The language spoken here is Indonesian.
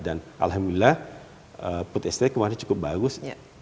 dan alhamdulillah food estate kemarin cukup bagus